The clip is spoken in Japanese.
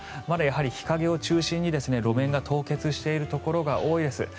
まだやはり日陰を中心に路面が凍結しているところが多いです。